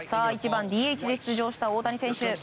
１番ＤＨで出場した大谷選手。